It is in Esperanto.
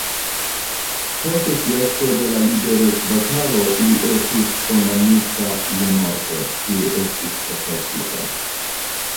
Post fiasko de la liberecbatalo li estis kondamnita je morto, kiu estis prokrastita.